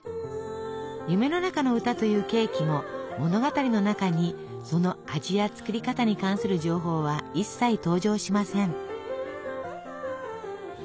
「夢の中の歌」というケーキも物語の中にその味や作り方に関する情報は一切登場しません。